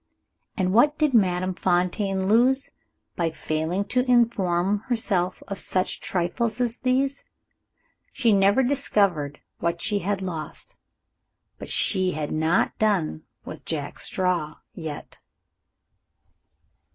And what did Madame Fontaine lose, by failing to inform herself of such trifles as these? She never discovered what she had lost. But she had not done with Jack Straw yet.